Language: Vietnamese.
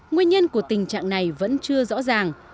nguyên nhân của tình trạng này vẫn chưa rõ ràng